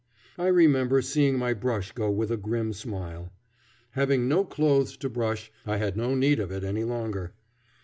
I remember seeing my brush go with a grim smile. Having no clothes to brush, I had no need of it any longer.